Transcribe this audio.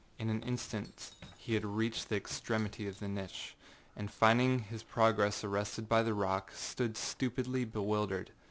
In an instant he had reached the extremity of the niche, and finding his progress arrested by the rock, stood stupidly bewildered.